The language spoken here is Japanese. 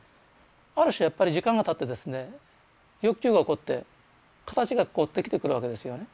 ある種やっぱり時間がたってですね欲求が起こって形がこうできてくるわけですよね。